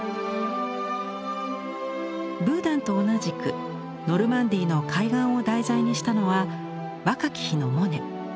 ブーダンと同じくノルマンディーの海岸を題材にしたのは若き日のモネ。